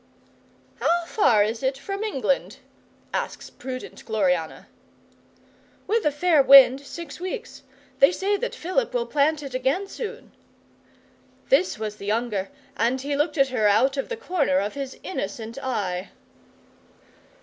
'"How far is it from England?" asks prudent Gloriana. '"With a fair wind, six weeks. They say that Philip will plant it again soon." This was the younger, and he looked at her out of the corner of his innocent eye.